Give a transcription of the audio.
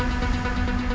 masa sudah menderita